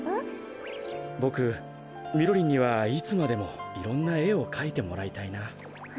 ボクみろりんにはいつまでもいろんなえをかいてもらいたいな。